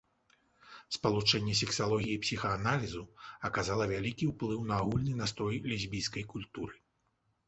Спалучэнне сексалогіі і псіхааналізу аказала вялікі ўплыў на агульны настрой лесбійскай культуры.